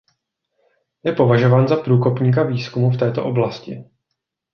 Je považován za průkopníka výzkumu v této oblasti.